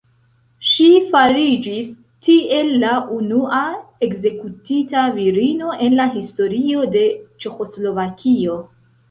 Ŝi fariĝis tiel la unua ekzekutita virino en la historio de Ĉeĥoslovakio.